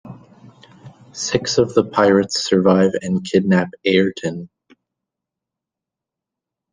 Six of the pirates survive and kidnap Ayrton.